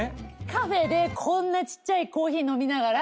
カフェでこんなちっちゃいコーヒー飲みながら。